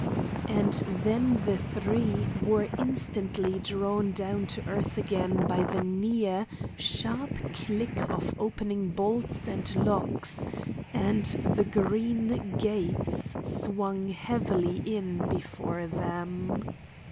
And then the three were instantly drawn down to earth again by the near, sharp click of opening bolts and locks, and the green gates swung heavily in before them.